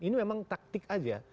ini memang taktik aja